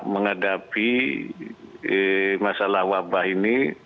menghadapi masalah wabah ini